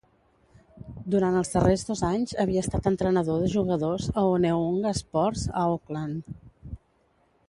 Durant els darrers dos anys havia estat entrenador de jugadors a Onehunga Sports a Auckland.